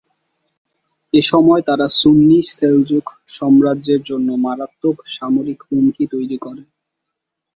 এসময় তারা সুন্নি সেলজুক সাম্রাজ্যের জন্য মারাত্মক সামরিক হুমকি তৈরী করে।